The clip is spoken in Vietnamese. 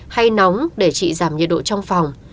hay nóng để chị giảm nhiệt độ trong phòng